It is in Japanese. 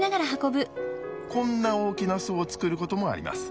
こんな大きな巣を作ることもあります。